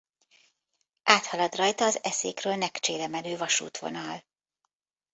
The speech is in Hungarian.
Áthalad rajta az Eszékról Nekcsére menő vasútvonal.